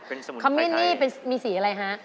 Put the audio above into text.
เป็นสมุนไพไทยคำมิ้นนี่มีสีอะไรฮะ